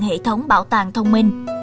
hệ thống bảo tàng thông minh